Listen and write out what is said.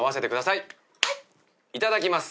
いただきます。